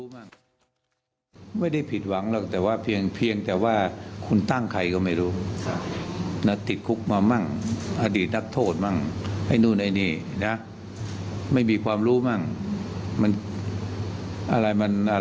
ไม่มีความรู้มั่งมันอะไรมันอะไร